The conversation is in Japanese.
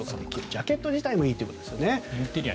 ジャケット自体もいいということですね。